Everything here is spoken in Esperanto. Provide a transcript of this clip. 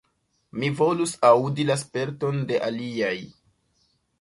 Mi volus aŭdi la sperton de aliaj.